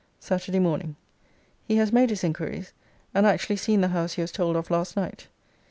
SATURDAY MORNING. He has made his inquiries, and actually seen the house he was told of last night.